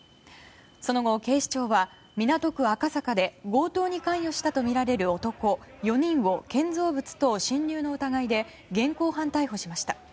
その後、警視庁は港区赤坂で強盗に関与したとみられる男４人を建造物等侵入の疑いで現行犯逮捕しました。